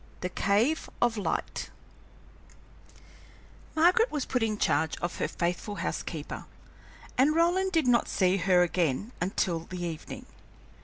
THE CAVE OF LIGHT Margaret was put into the charge of her faithful house keeper, and Roland did not see her again until the evening.